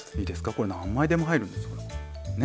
これ何枚でも入るんですよ。ね。